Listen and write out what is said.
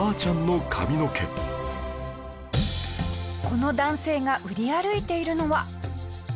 この男性が売り歩いているのは。